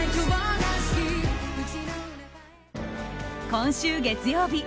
今週月曜日